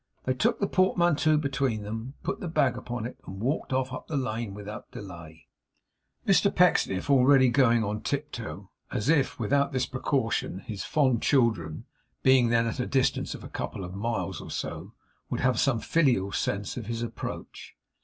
They took the portmanteau between them, put the bag upon it, and walked off up the lane without delay; Mr Pecksniff already going on tiptoe as if, without this precaution, his fond children, being then at a distance of a couple of miles or so, would have some filial sense of his approach.